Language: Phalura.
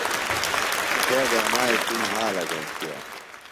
تھے بہ مائیے توۡ مھالہ گھشیِہ